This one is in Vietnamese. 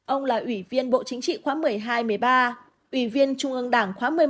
ông là ủy viên bộ chính trị khoáng một mươi hai một mươi ba ủy viên trung ương đảng khoáng một mươi một một mươi hai một mươi ba